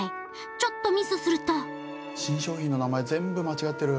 ちょっとミスすると新商品の名前全部間違ってる。